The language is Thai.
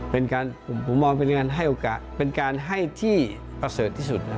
เป็นการผมมองเป็นการให้โอกาสเป็นการให้ที่ประเสริฐที่สุด